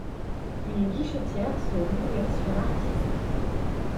Une guichetière se ruait sur l'artiste.